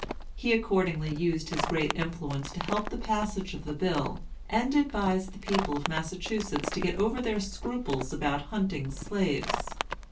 He accordingly used his great influence to help the passage of the bill, and advised the people of Massachusetts to get over their scruples about hunting slaves.